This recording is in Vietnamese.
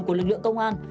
của lực lượng công an